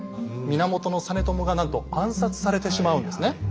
源実朝がなんと暗殺されてしまうんですね。